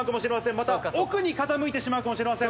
また奥に傾いてしまうかもしれません。